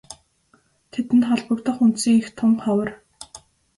Тэдэнд холбогдох үндсэн эх тун ховор.